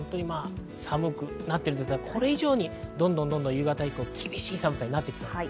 寒くなっているんですが、これ以上にどんどん夕方以降、厳しい寒さになっていきそうです。